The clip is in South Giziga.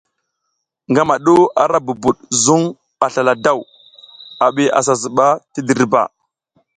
Ngama du ara bubud zuŋ a slala daw, a bi a sa zuɓa ti dirba.